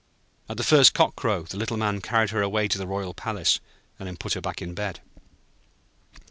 At the first cock crow, the Little Man carried her away to the royal palace, and put her back in bed.